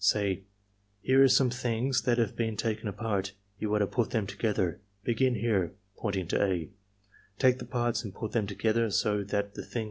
Say, "Here are some things that have been taken apart. You are to pvi them together. Begin here [pointing to Al; take the parts and put them together so that the thing mil work.